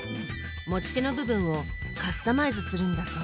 持ち手の部分をカスタマイズするんだそう。